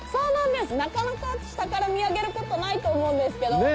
なかなか下から見上げることないと思うんですけど。